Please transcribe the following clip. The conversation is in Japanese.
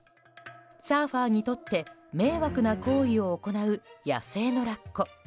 サーファーにとって迷惑な行為を行う野生のラッコ。